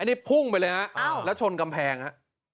อันนี้พุ่งไปเลยน่ะอ้าวแล้วชนกำแพงน่ะ